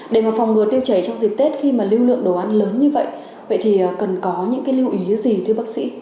để mà phòng ngừa tiêu chảy trong dịp tết khi mà lưu lượng đồ ăn lớn như vậy vậy thì cần có những cái lưu ý gì thưa bác sĩ